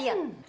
ini pun enak mi